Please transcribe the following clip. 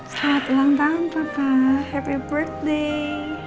selamat ulang tahun papa happy birthday